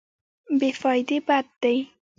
بې فایده بد دی.